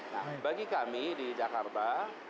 nah bagi kami di jakarta